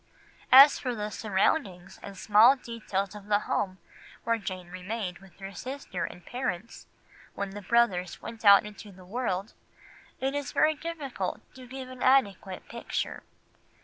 As for the surroundings and small details of the home where Jane remained with her sister and parents when the brothers went out into the world, it is very difficult to give an adequate picture.